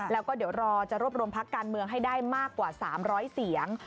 แล้วก็เดี๋ยวรอจะรวบรวมพักการเมืองให้ได้มากกว่า๓๐๐เสียง